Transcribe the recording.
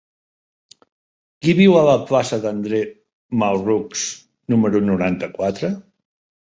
Qui viu a la plaça d'André Malraux número noranta-quatre?